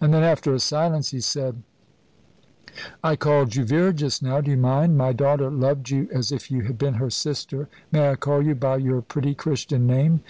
And then, after a silence, he said: "I called you Vera just now. Do you mind? My daughter loved you as if you had been her sister. May I call you by your pretty Christian name?"